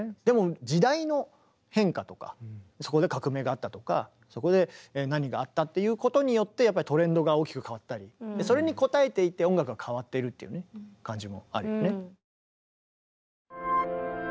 でも時代の変化とかそこで革命があったとかそこで何があったっていうことによってトレンドが大きく変わったりそれに応えていって音楽が変わってるっていうね感じもあるよね。